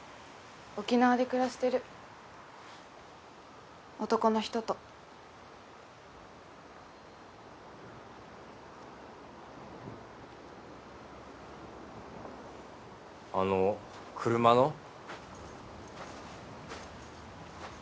沖縄で暮らしてる男の人とあの車の？